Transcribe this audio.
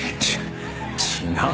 違う！